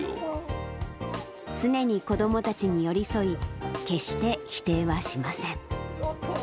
常に子どもたちに寄り添い、決して否定はしません。